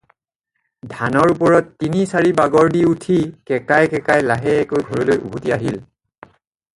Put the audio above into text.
ধানৰ ওপৰত তিনি চাৰি বাগৰ দি উঠি কেঁকাই কেঁকাই লাহেকৈ ঘৰলৈ উভতি আহিল।